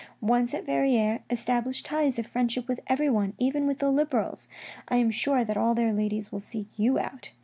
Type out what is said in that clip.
Once at Verrieres, establish ties of friendship with everyone, even with the Liberals. I am sure that all their ladies will seek you out.